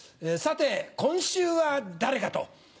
さて今週は誰かと。